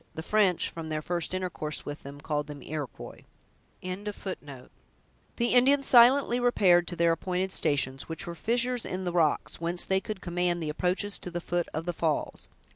The French, from their first intercourse with them, called them Iroquois. The Indians silently repaired to their appointed stations, which were fissures in the rocks, whence they could command the approaches to the foot of the falls.